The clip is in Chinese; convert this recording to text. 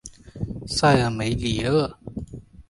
塞尔梅里厄。